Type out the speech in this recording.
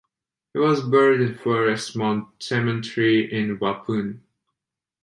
He was buried in Forest Mound Cemetery in Waupun.